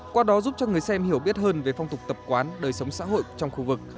qua đó giúp cho người xem hiểu biết hơn về phong tục tập quán đời sống xã hội trong khu vực